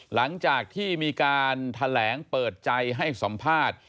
หลังจากที่มีการแถลงเปิดใจให้สัมภาษณ์